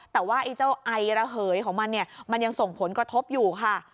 แต่ว่าไอ้เจ้าไอระเหยของมันเนี่ยมันยังส่งผลกระทบอยู่ค่ะ